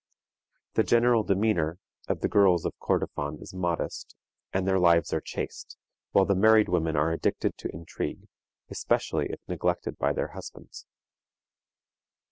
The general demeanor of the girls of Kordofan is modest, and their lives are chaste, while the married women are addicted to intrigue, especially if neglected by their husbands.